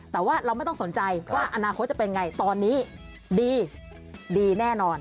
แต่ว่าเราไม่ต้องสนใจว่าอนาคตจะเป็นไงตอนนี้ดีดีแน่นอน